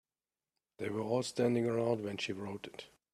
They were all standing around when she wrote it.